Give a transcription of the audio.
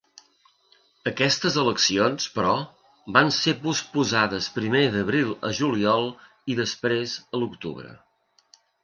Aquestes eleccions, però, van ser posposades primer d'abril a juliol, i després a l'octubre.